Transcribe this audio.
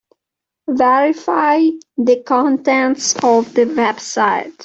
Verify the contents of the website.